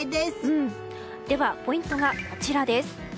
ポイントがこちらです。